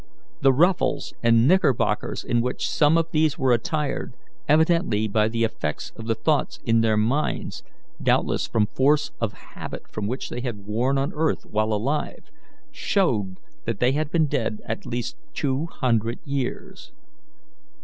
The ruffles and knickerbockers in which some of these were attired, evidently by the effects of the thoughts in their minds, doubtless from force of habit from what they had worn on earth while alive, showed that they had been dead at least two hundred years.